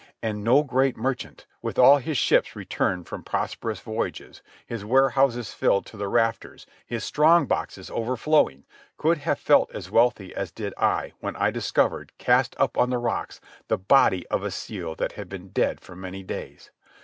And no great merchant, with all his ships returned from prosperous voyages, his warehouses filled to the rafters, his strong boxes overflowing, could have felt as wealthy as did I when I discovered, cast up on the rocks, the body of a seal that had been dead for many days.